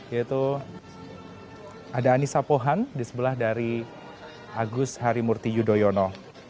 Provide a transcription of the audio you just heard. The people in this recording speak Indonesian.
yaitu ada anissa pohan di sebelah dari agus harimurti yudhoyono